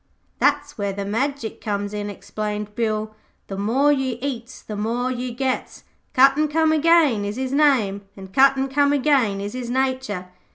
'That's where the Magic comes in,' explained Bill. 'The more you eats the more you gets. Cut an' come again is his name, an' cut, an' come again, is his nature.